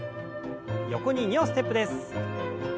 横に２歩ステップです。